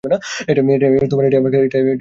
এটাই আমার কাজ।